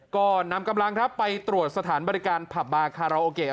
ก็นำกำลังครับไปตรวจสถานบริการผับบาคาราโอเกะ